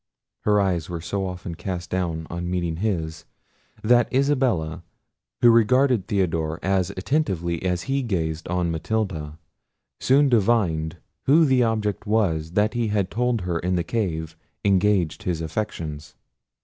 Her eyes were so often cast down on meeting his, that Isabella, who regarded Theodore as attentively as he gazed on Matilda, soon divined who the object was that he had told her in the cave engaged his affections.